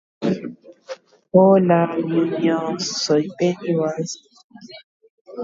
Omomenda itajýra la Princesa Pychãire.